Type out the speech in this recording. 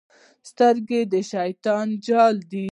سترګې د شیطان جال دی.